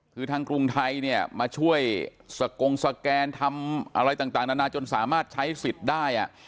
คือทางกรุงไทยเนี่ยมาช่วยสกงสแกนทำอะไรต่างนานาจนสามารถใช้สิทธิ์ได้